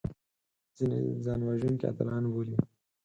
ځینې ځانوژونکي اتلان بولي